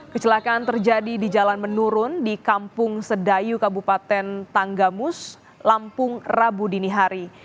kecelakaan terjadi di jalan menurun di kampung sedayu kabupaten tanggamus lampung rabu dini hari